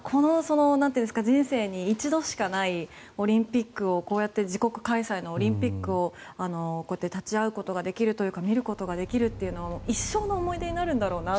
人生に一度しかないオリンピックをこうやって自国開催のオリンピックに立ち会うことができるというか見ることができるのは一生の思い出になるんだろうなと。